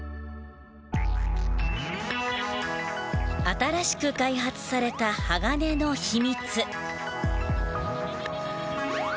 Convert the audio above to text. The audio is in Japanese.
新しく開発された鋼の秘密。